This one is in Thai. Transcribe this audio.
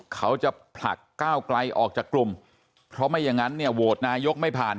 เขาจะผลักก้าวไกลออกจากกลุ่มเพราะไม่อย่างนั้นเนี่ยโหวตนายกไม่ผ่าน